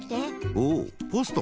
おおポストも。